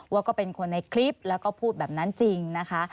ว่าก็เป็นคนในคลิปแล้วก็พูดแบบนั้นจริงนะคะ